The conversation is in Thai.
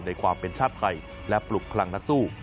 ในความเป็นชาติไทยและปลุกพลังนักสู้